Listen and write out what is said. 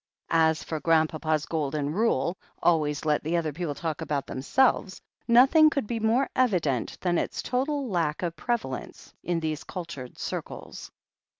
As for Grandpapa's Golden Rule — always to let the other people talk about themselves — ^nothing could be more evident than its total lack of prevalence in these cultured circles.